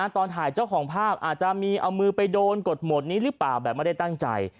ตอนถ่ายเจ้าของภาพอาจจะมีเอามือไปโดนกดหมดนี้หรือเปล่าแบบไม่ได้ตั้งใจ